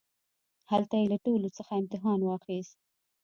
هلته يې له ټولوڅخه امتحان واخيست.